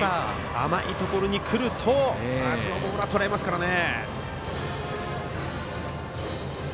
甘いところにくるとそのボールはとらえますからね。